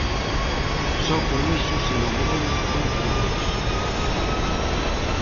Só con iso se logrou un progreso.